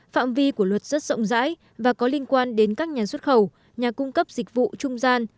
phạm vi của luật rất rộng rãi và có liên quan đến các nhà xuất khẩu nhà cung cấp dịch vụ trung gian